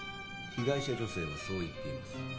被害者女性はそう言っています。